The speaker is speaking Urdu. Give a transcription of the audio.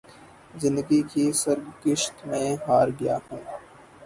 زندگی کی سرگزشت میں ہار گیا ہوں۔